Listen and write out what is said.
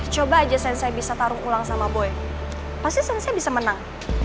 coba aja sensei bisa taruh pulang sama boy pasti sensei bisa menang